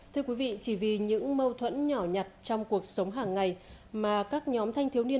thưa quý vị chỉ vì những mâu thuẫn nhỏ nhặt trong cuộc sống hàng ngày mà các nhóm thanh thiếu niên